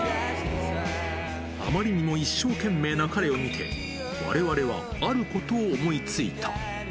あまりにも一生懸命な彼を見て、われわれはあることを思いついた。